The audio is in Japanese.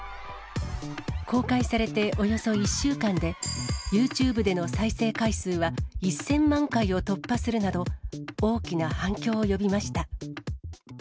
公開されておよそ１週間で、ユーチューブでの再生回数は１０００万回を突破するなど、大きな反響を呼びました。